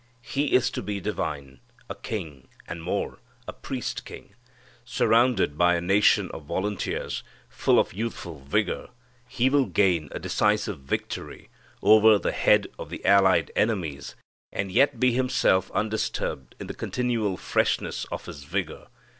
He is to be divine, a king, and more, a priest king. Surrounded by a nation of volunteers full of youthful vigor He will gain a decisive victory over the head of the allied enemies, and yet be Himself undisturbed in the continual freshness of His vigor.